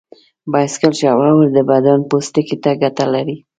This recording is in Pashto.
بایسکل چلول د بدن پوستکي ته ګټه لري.